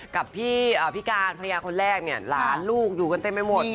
กับพี่การภรรยาคนแรกเนี่ยหลานลูกอยู่กันเต็มไปหมด